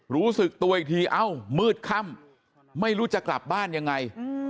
รู้สึกตัวอีกทีเอ้ามืดค่ำไม่รู้จะกลับบ้านยังไง